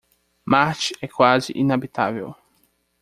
Marte é quase inabitável.